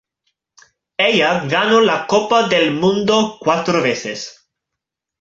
Ella ganó la Copa del Mundo cuatro veces.